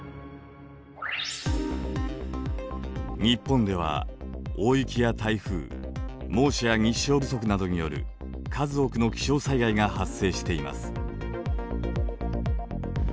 日本では大雪や台風猛暑や日照不足などによる数多くの気象災害が発生しています。